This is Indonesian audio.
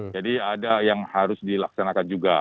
jadi ada yang harus dilaksanakan juga